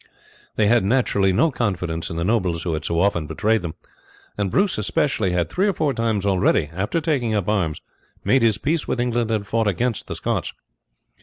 They had naturally no confidence in the nobles who had so often betrayed them, and Bruce especially had, three or four times already, after taking up arms, made his peace with England and fought against the Scots.